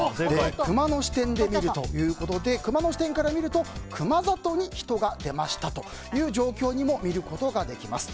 クマの視点で見るということでクマの視点からみるとクマ里に人が出ましたという状況にも見ることができます。